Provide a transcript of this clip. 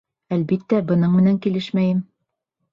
Әлбиттә, бының менән килешмәйем.